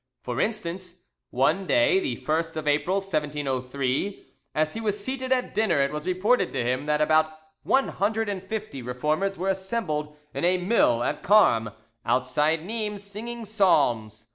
For instance, one day—the 1st of April 1703—as he was seated at dinner it was reported to him that about one hundred and fifty Reformers were assembled in a mill at Carmes, outside Nimes, singing psalms.